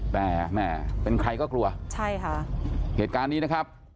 แต่แม่เป็นใครก็กลัวใช่ค่ะเหตุการณ์นี้นะครับ